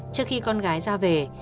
trước khi con gái ra về